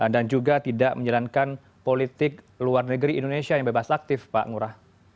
dan juga tidak menjalankan politik luar negeri indonesia yang bebas aktif pak ngurah